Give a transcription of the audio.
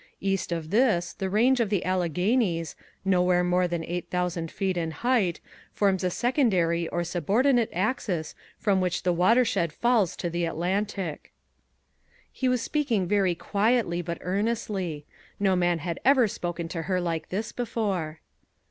East of this the range of the Alleghanies, nowhere more than eight thousand feet in height, forms a secondary or subordinate axis from which the watershed falls to the Atlantic." He was speaking very quietly but earnestly. No man had ever spoken to her like this before.